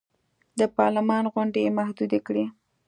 د پارلمان غونډې یې محدودې کړې.